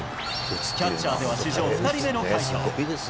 キャッチャーでは史上２人目の快挙。